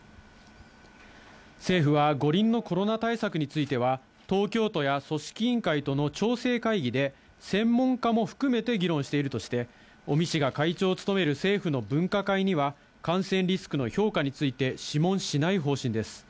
政府は、五輪のコロナ対策については、東京都や組織委員会との調整会議で、専門家も含めて議論しているとして、尾身氏が会長を務める政府の分科会には、感染リスクの評価について諮問しない方針です。